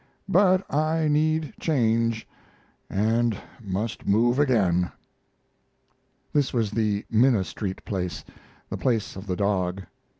But I need change and must move again. This was the Minna Street place the place of the dog.